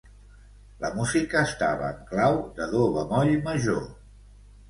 La música estava en clau de do bemoll major.